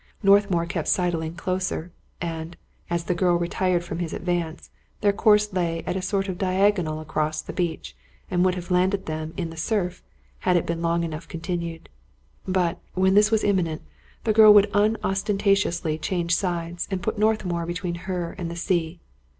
Northmour kept sidling closer; and, as the girl retired from his advance, their course lay at a sort of diagonal across the beach, and would have landed them in the surf had it been long enough continued. But, when this was imminent, the girl would unostenta tiously change sides and put Northmour between her and the sea.